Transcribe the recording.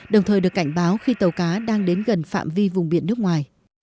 đồng thời được cảnh báo khi tàu cá đang đến gần phạm vi vùng biển nước ngoài